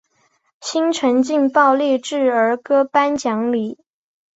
新城劲爆励志儿歌颁奖礼。